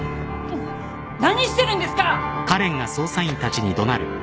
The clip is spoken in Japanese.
何してるんですか！？